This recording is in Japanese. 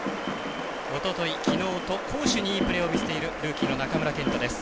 おととい、きのうと攻守にいいプレーを見せているルーキーの中村健人です。